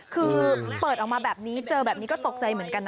คือเปิดออกมาแบบนี้เจอแบบนี้ก็ตกใจเหมือนกันนะ